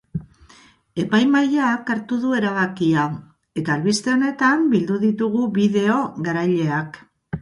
Epaimahaiak hartu du erabakia, eta albiste honetan bildu ditugu bideo garaileak.